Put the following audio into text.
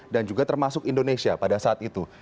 dan juga termasuk indonesia pada saat itu